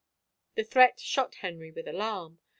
The threat shot Henry with alarm.